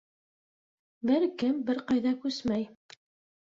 Бер кем бер ҡайҙа күсмәй!